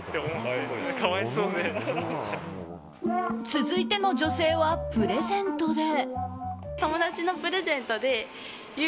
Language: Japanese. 続いての女性はプレゼントで。